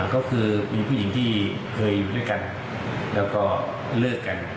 ก็คือมีผู้หญิงที่เคยอยู่ด้วยกันแล้วก็เลิกกัน